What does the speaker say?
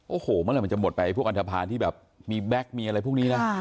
โอ้โหเมื่อไหร่มันจะหมดไปพวกอันทภาณที่แบบมีแบ็คมีอะไรพวกนี้นะ